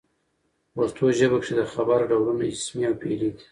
په پښتو ژبه کښي د خبر ډولونه اسمي او فعلي دي.